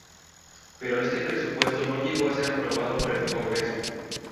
Pero este presupuesto no llegó a ser aprobado por el Congreso.